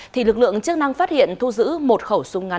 thì lực lượng chức năng phát hiện thu giữ một khẩu súng ngắn